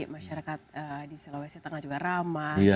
masyarakat di sulawesi tengah juga ramah